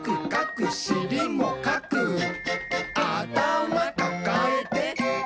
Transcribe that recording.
「あたまかかえて」